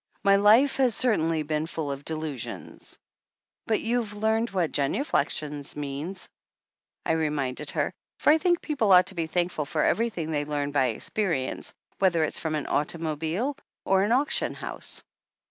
My life has certainly been full of dis illusions !" "But, you've learned what genuflections means," I reminded her, for I think people ought to be thankful for everything they learn by experience, whether it's from an automobile or an auction house.